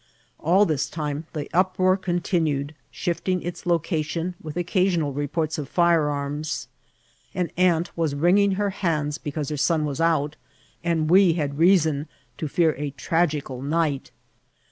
All this time the uproar continued, shifting its loca tion, with occasibnal reports of firearms ; an aunt was wringing her hands because her son was out, and we had reason to fear a tragical night.